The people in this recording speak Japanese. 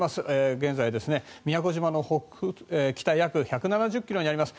現在、宮古島の北約１７０ｋｍにあります。